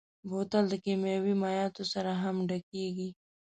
بوتل له کيمیاوي مایعاتو سره هم ډکېږي.